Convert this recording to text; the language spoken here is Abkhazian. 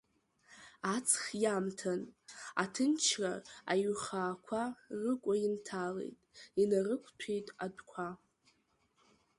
Аҵх иамҭан аҭынчра аиҩхаақәа рыкәа инҭалеит, инарықәҭәеит адәқәа…